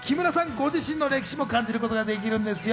ご自身の歴史も感じることができるんですよ。